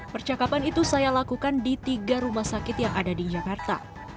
percakapan itu saya lakukan di tiga rumah sakit yang ada di jakarta